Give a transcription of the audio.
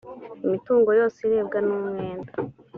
imitungo yose irebwa n umwenda